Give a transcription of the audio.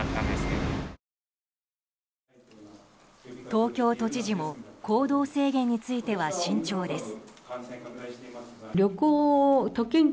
東京都知事も行動制限については慎重です。